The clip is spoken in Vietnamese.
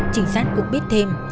chính xác cũng biết thêm